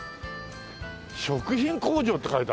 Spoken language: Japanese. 「食品工場」って書いてあるわ。